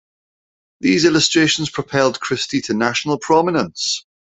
These illustrations propelled Christy to national prominence.